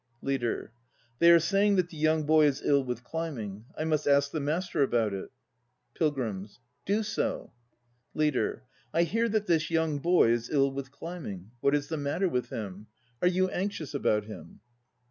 LEADER. They are saying that the young boy is ill with climbing. I must ask the Master about it. PILGRIMS. Do so. LEADER. I hear that this young boy is ill with climbing. What is the matter with him? Are you anxious about him?